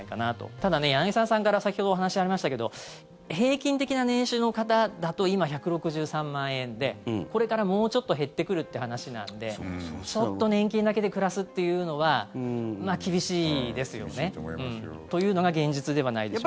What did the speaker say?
ただ、柳澤さんから先ほどお話ありましたけど平均的な年収の方だと今１６３万円でこれから、もうちょっと減ってくるって話なのでちょっと年金だけで暮らすっていうのは厳しいですよねというのが現実ではないでしょうか。